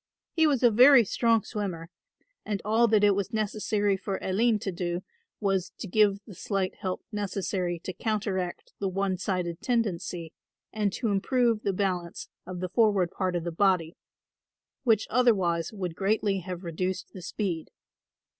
He was a very strong swimmer and all that it was necessary for Aline to do was to give the slight help necessary to counteract the one sided tendency and to improve the balance of the forward part of the body, which otherwise would greatly have reduced the speed.